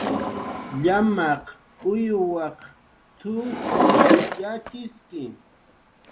"Llamaq uyuwaq t""usw yatxiski"